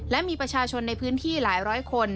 และมีประชาชนในพื้นที่หลายร้อยคน